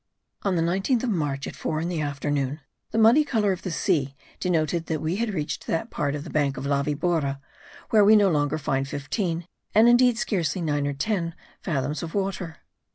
On the 19th of March, at four in the afternoon, the muddy colour of the sea denoted that we had reached that part of the bank of La Vibora where we no longer find fifteen, and indeed scarcely nine or ten, fathoms of water.